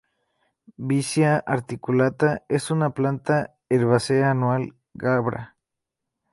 Vicia articulata es una planta herbácea anual, glabra.